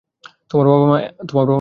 তোমার বাবা-মা এখানে কাজ করেন?